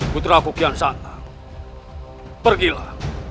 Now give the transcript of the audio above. putra kukian santal pergilah